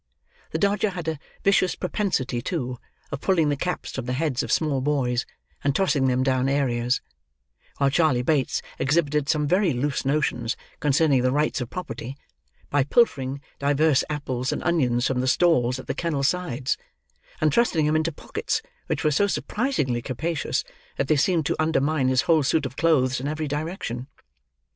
The Dodger had a vicious propensity, too, of pulling the caps from the heads of small boys and tossing them down areas; while Charley Bates exhibited some very loose notions concerning the rights of property, by pilfering divers apples and onions from the stalls at the kennel sides, and thrusting them into pockets which were so surprisingly capacious, that they seemed to undermine his whole suit of clothes in every direction.